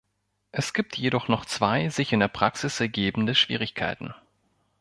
Es gibt jedoch noch zwei sich in der Praxis ergebende Schwierigkeiten.